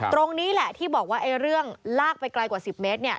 ตรงนี้แหละที่บอกว่าเรื่องลากไปไกลกว่า๑๐เมตร